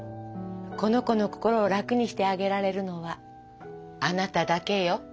この子の心を楽にしてあげられるのはあなただけよ。